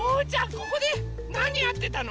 ここでなにやってたの？